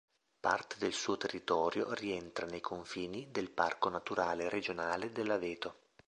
Parte del suo territorio rientra nei confini del Parco naturale regionale dell'Aveto.